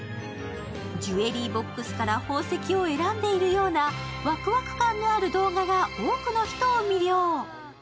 ジュエリーボックスから宝石を選んでいるようなワクワク感のある動画が多くの人を魅了。